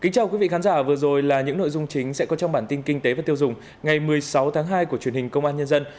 chào mừng quý vị đến với bản tin kinh tế và tiêu dùng ngày một mươi sáu tháng hai của truyền hình công an nhân dân